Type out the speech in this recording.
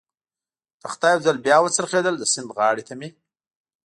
تخته یو ځل بیا و څرخېدل، د سیند غاړې ته مې.